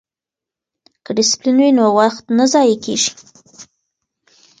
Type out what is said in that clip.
که ډسپلین وي نو وخت نه ضایع کیږي.